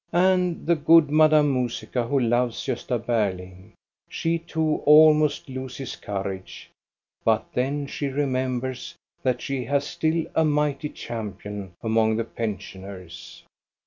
And the good Madame Musica, who loves Gosta Berling, she too almost loses courage; but then she remembers that she has still a mighty champion among the pensioners.